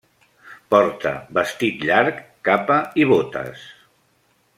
Porta vestit llarg, capa i botes.